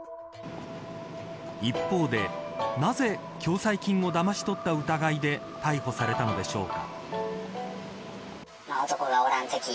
一方で、なぜ共済金をだまし取った疑いで逮捕されたのでしょうか。